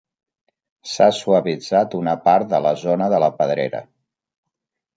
S'ha suavitzat una part de la zona de la pedrera.